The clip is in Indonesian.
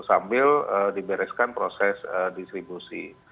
sambil dibereskan proses distribusi